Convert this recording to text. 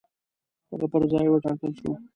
هغه پر ځای وټاکل شو.